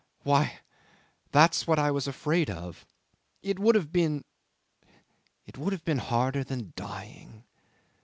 Why! That's what I was afraid of. It would have been it would have been harder than dying.